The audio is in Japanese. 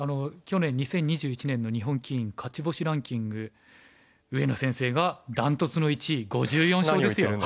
去年２０２１年の日本棋院勝ち星ランキング上野先生がだんとつの１位５４勝ですよ。